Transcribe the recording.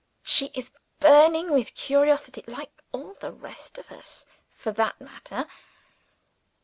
She is burning with curiosity like all the rest of us for that matter.